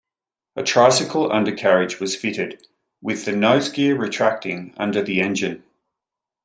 A tricycle undercarriage was fitted, with the nose gear retracting under the engine.